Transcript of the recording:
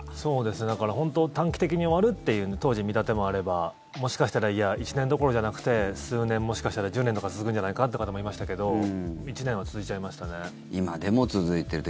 だから、本当短期的に終わるっていう当時、見立てもあればもしかしたらいや、１年どころじゃなくて数年もしかしたら１０年とか続くんじゃないかって方もいましたけど今でも続いてると。